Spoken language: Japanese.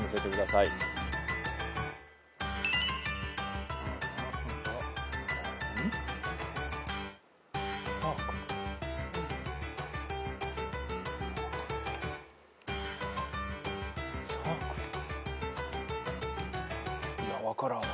いや分からんわ。